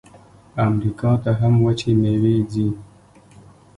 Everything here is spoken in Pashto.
امریکا ته هم وچې میوې ځي.